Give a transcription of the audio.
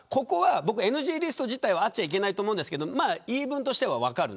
ＮＧリスト自体はあっちゃいけないと思うんですが言い分としては分かる。